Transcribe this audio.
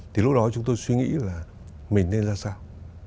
thì lúc đó chúng tôi suy nghĩ là mình nên ra sao